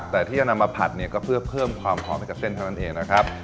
แต่ที่จะนำมาผัดเนี่ยก็เพื่อเพิ่มความหอมให้กับเส้นเท่านั้นเองนะครับ